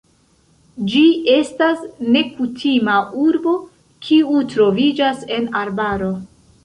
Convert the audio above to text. Ĝi estas nekutima urbo, kiu troviĝas en arbaro.